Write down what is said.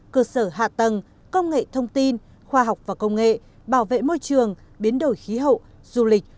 cơ sở hạ tầng công nghệ thông tin khoa học và công nghệ bảo vệ môi trường biến đổi khí hậu du lịch